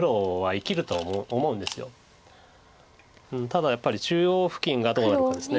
ただやっぱり中央付近がどうなるかです。